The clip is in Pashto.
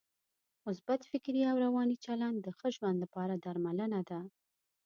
مثبت فکري او روانی چلند د ښه ژوند لپاره درملنه ده.